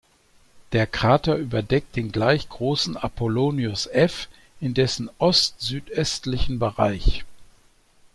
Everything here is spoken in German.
Der Krater überdeckt den gleich großen "Apollonius F" in dessen ost-südöstlichen Bereich.